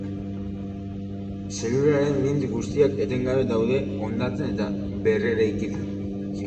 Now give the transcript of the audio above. Zelularen mintz guztiak etengabe daude hondatzen eta berreraikitzen.